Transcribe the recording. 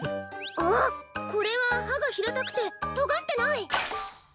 あっこれははがひらたくてとがってない！